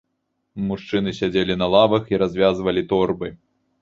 Мужчыны сядзелі на лавах і развязвалі торбы.